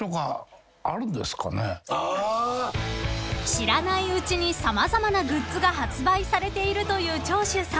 ［知らないうちに様々なグッズが発売されているという長州さん］